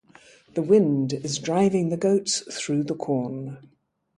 The wind is driving the goats through the corn.